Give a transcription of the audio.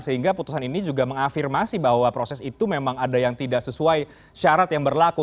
sehingga putusan ini juga mengafirmasi bahwa proses itu memang ada yang tidak sesuai syarat yang berlaku